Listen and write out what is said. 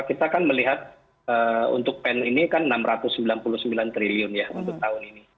kita kan melihat untuk pen ini kan rp enam ratus sembilan puluh sembilan triliun ya untuk tahun ini